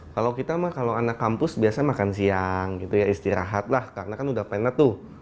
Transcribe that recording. kalau kita mah kalau anak kampus biasanya makan siang gitu ya istirahat lah karena kan udah penet tuh